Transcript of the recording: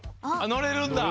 のれるんだ